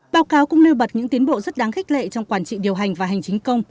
báo cáo cũng nêu bật những tiến bộ rất đáng khích lệ trong quản trị điều hành và hành chính công